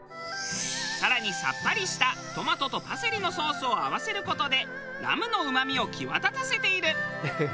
更にさっぱりしたトマトとパセリのソースを合わせる事でラムのうまみを際立たせている。